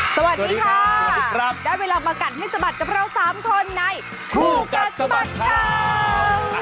สวัสดีค่ะได้เวลามากัดให้สะบัดกับเรา๓คนในคู่กัดสะบัดข่าว